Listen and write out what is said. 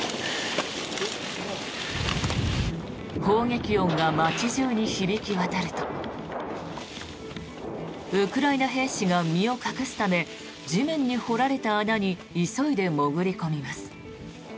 砲撃音が街中に響き渡るとウクライナ兵士が身を隠すため地面に掘られた穴に急いで潜り込みます。